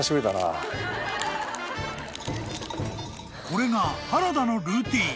［これが原田のルーティン］